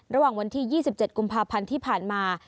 ระหว่างวันที่๒๗กุมภาพันธ์ที่ผ่านมา